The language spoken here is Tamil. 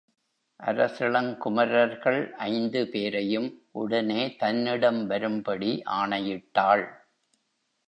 அரசிளங்குமரர்கள் ஐந்து பேரையும் உடனே தன்னிடம் வரும்படி ஆணையிட்டாள்.